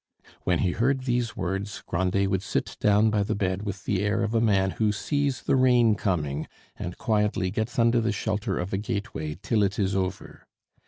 When he heard these words, Grandet would sit down by the bed with the air of a man who sees the rain coming and quietly gets under the shelter of a gateway till it is over.